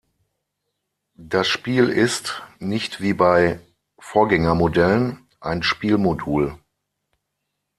Das Spiel ist, nicht wie bei Vorgängermodellen, ein Spiel-Modul.